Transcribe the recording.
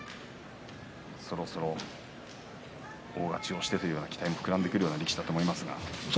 そろそろ大勝ちをしてという期待が膨らんでくる力士だと思います。